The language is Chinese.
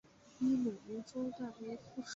以卢汝弼代为副使。